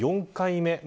４回目